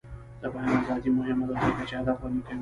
د بیان ازادي مهمه ده ځکه چې ادب غني کوي.